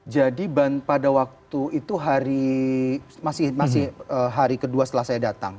jadi pada waktu itu hari masih hari kedua setelah saya datang